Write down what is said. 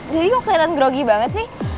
jadi kok keliatan grogi banget sih